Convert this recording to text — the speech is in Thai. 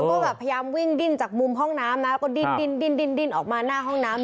ก็แบบพยายามวิ่งดิ้นจากมุมห้องน้ำนะแล้วก็ดิ้นออกมาหน้าห้องน้ำ